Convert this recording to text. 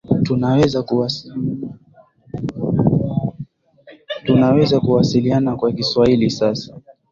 Tunaweza kuwasiliana kwa Kiswahili sasa